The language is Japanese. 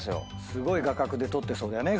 すごい画角で撮ってそうだよね